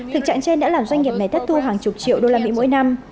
thực trạng trên đã làm doanh nghiệp này thất thu hàng chục triệu đô la mỹ mỗi năm